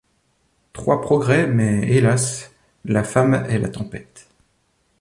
Trois progrès. Mais, hélas ! la fémme est la tempête.